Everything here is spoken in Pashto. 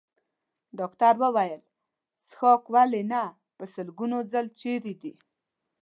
ډاکټر وویل: څښاک؟ ولې نه، په لسګونو ځل، چېرې دی؟